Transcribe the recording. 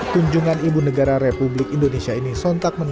kunjungan ibu negara republik indonesia ini sontak menarik